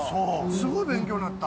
すごい勉強になった。